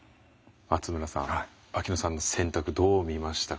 松村さん秋野さんの選択どう見ましたか？